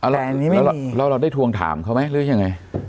แต่อันนี้ไม่มีแล้วเราได้ทวงถามเขาไหมหรือยังไง